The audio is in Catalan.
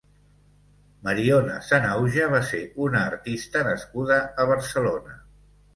Mariona Sanahuja va ser una artista nascuda a Barcelona.